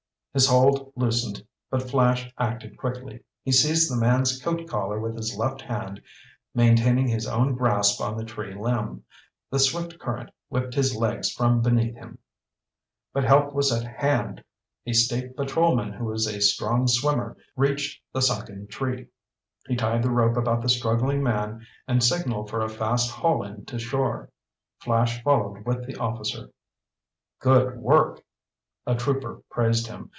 His hold loosened, but Flash acted quickly. He seized the man's coat collar with his left hand, maintaining his own grasp on the tree limb. The swift current whipped his legs from beneath him. But help was at hand. A state patrolman who was a strong swimmer, reached the sunken tree. He tied the rope about the struggling man and signaled for a fast haul in to shore. Flash followed with the officer. "Good work," a trooper praised him.